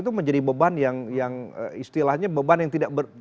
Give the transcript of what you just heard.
itu menjadi beban yang istilahnya beban yang tidak